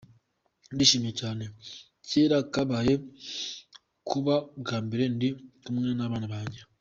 "Ndishimye cyane, kera kabaye, kuba bwa mbere ndi kumwe n'abana banjye".